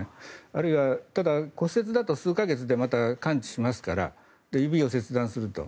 あるいは、ただ骨折だと数か月で完治しますから指を切断すると。